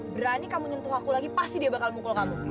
berani kamu nyentuh aku lagi pasti dia bakal mukul kamu